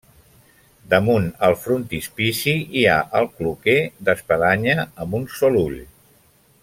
Damunt el frontispici hi ha el cloquer, d'espadanya, amb un sol ull.